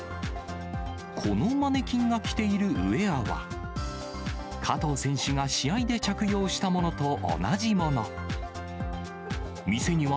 このマネキンが着ているウエアは、加藤選手が試合で着用したものと同じもの。